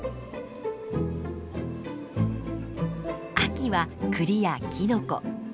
秋は栗やキノコ。